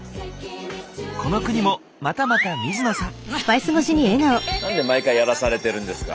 この国もまたまた水野さん。